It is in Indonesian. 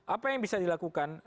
apa yang bisa dilakukan